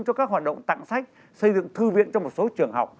cho các hoạt động tặng sách xây dựng thư viện cho một số trường học